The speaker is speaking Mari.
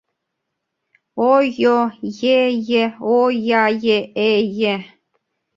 О-йо, йэ-йэ, о-йа-йэ, э-йэ